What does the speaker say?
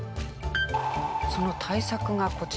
その対策がこちら。